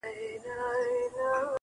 سترگې چي اوس نه برېښي د خدای له نور